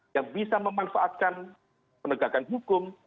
yang bisa memanfaatkan penegakan hukum